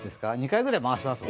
２回くらい回せます？